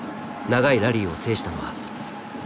長いラリーを制したのは。